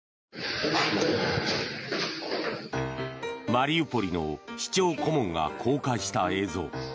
マリウポリの市長顧問が公開した映像。